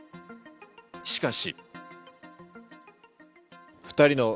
しかし。